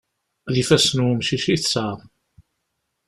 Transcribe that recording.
D ifassen n wemcic i tesɛa.